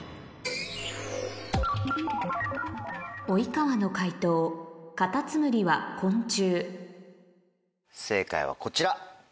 及川の解答カタツムリは昆虫正解はこちら。